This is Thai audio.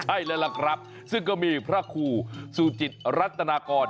ใช่แล้วล่ะครับซึ่งก็มีพระครูสูจิตรัตนากร